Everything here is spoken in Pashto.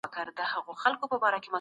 پانګه وال نظام په خلګو فشار راوړي.